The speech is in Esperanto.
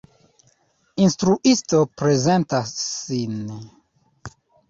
Instruisto prezentas sin.